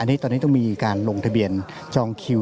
อันนี้ตอนนี้ต้องมีการลงทะเบียนจองคิว